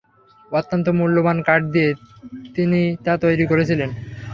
অত্যন্ত মূল্যবান কাঠ দিয়ে তিনি তা তৈরী করেছিলেন।